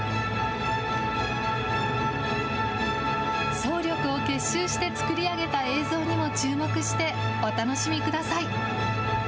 総力を結集して作り上げた映像にも注目してお楽しみください。